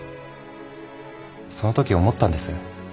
そのとき思ったんです。